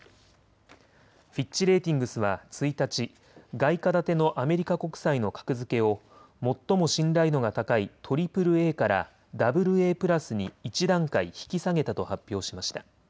フィッチ・レーティングスは１日、外貨建てのアメリカ国債の格付けを最も信頼度が高いＡＡＡからＡＡ＋に１段階引き下げたと発表しました。